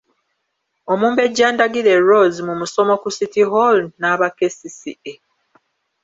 Omumbejja Ndagire Rose mu musomo ku City Hall n’aba KCCA.